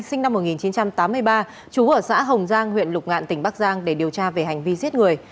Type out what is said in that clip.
sinh năm một nghìn chín trăm tám mươi ba chú ở xã hồng giang huyện lục ngạn tỉnh bắc giang để điều tra về hành vi giết người